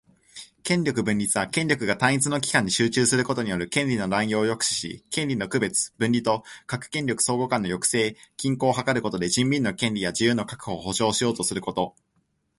権力分立は、権力が単一の機関に集中することによる権利の濫用を抑止し、権力の区別・分離と各権力相互間の抑制・均衡を図ることで、人民の権利や自由の確保を保障しようとすること